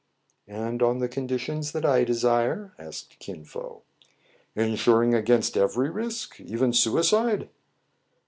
" And on the conditions that I desire }" asked Kin Fo. " Insuring against every risk, even suicide